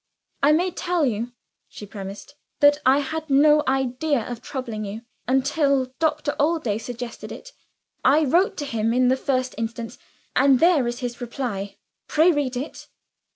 "I may tell you," she premised, "that I had no idea of troubling you, until Doctor Allday suggested it. I wrote to him in the first instance; and there is his reply. Pray read it."